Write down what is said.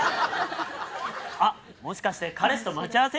あもしかして彼氏と待ち合わせ？